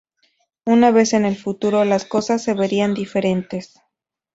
Una vez en el futuro, las cosas se verían diferentes.